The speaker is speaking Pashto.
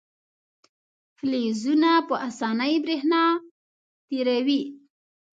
فلزونه په اسانۍ برېښنا تیروي.